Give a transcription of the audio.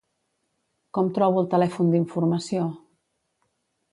Com trobo el telèfon d'informació?